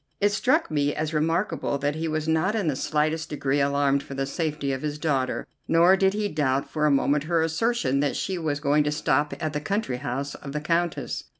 It struck me as remarkable that he was not in the slightest degree alarmed for the safety of his daughter, nor did he doubt for a moment her assertion that she was going to stop at the country house of the Countess.